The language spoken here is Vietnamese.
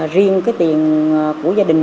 riêng cái tiền của gia đình